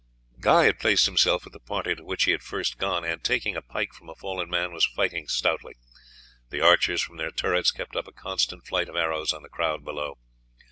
Guy had placed himself with the party to which he had first gone, and, taking a pike from a fallen man, was fighting stoutly. The archers from their turrets kept up a constant flight of arrows on the crowd below.